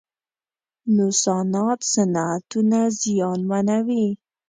نوسانات صنعتونه زیانمنوي.